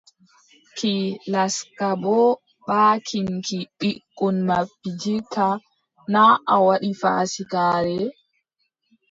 Ki laska boo baakin ki ɓikkon ma pijirta, na a waɗi faasikaare.